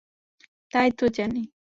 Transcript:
তাই তো জানি।